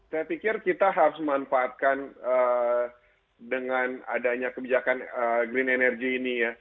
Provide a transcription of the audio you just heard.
saya pikir kita harus memanfaatkan dengan adanya kebijakan green energy ini ya